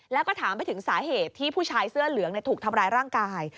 แล้วก็ถามไปถึงสาเหตุที่ผู้ชายเสื้อเหลืองถูกทำร้ายร่างกาย